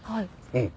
うん。